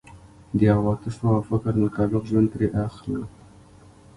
د عواطفو او فکر مطابق ژوند ترې اخلو.